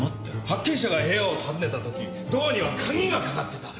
発見者が部屋を訪ねた時ドアには鍵がかかってた！